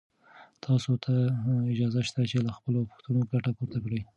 تاسو ته اجازه شته چې له خپلو پوښتنو ګټه پورته کړئ.